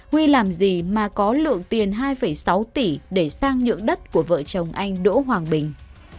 huy làm gì mà có lượng tiền hai sáu tỷ để sang nhượng đất của vợ chồng anh đỗ hoàng bình